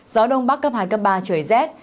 gió đông bắc cấp hai cấp ba trời rét